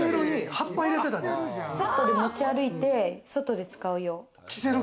セットで持ち歩いて外で使う用。